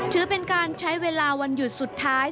ถือเป็นการใช้เวลาวันหยุดสุดท้าย